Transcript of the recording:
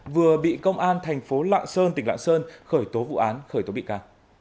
vừa bị công an tp lạng sơn tỉnh lạng sơn khởi tố vụ án khởi tố bị ca